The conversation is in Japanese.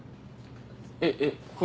えっえっこ